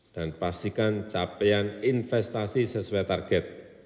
dan pastikan capaian investasi sesuai target